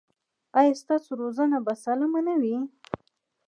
ایا ستاسو روزنه به سالمه نه وي؟